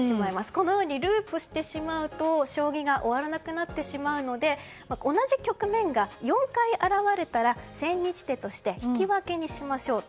このようにループしてしまうと将棋が終わらなくなってしまうので同じ局面が４回現れたら千日手として引き分けにしましょうと。